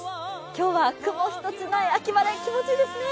今日は雲一つない秋晴れ、気持ちいいですね。